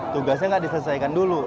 tugasnya nggak diselesaikan dulu